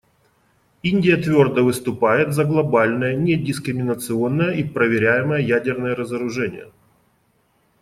Индия твердо выступает за глобальное недискриминационное и проверяемое ядерное разоружение.